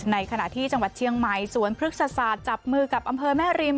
ในขณะที่จังหวัดเชียงใหม่สวนพฤกษศาสตร์จับมือกับอำเภอแม่ริม